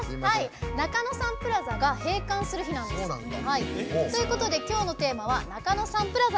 中野サンプラザが閉館する日なんです。ということで今日のテーマは「中野サンプラザ」。